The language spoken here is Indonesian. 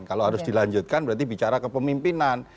kalau harus dilanjutkan berarti bicara ke pemimpinan